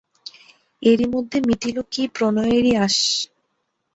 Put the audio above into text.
এরি মধ্যে মিটিল কি প্রণয়েরি আশ!